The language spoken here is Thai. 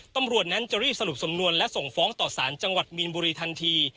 ตำรวจนั้นจะรีบสรุปสำนวนและส่งฟ้องต่อสารจังหวัดมีนบุรีทันที